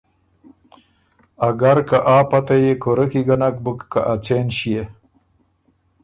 اګر که آ پته يې کُورۀ کی ګۀ نک بُک که ا څېن ݭيې؟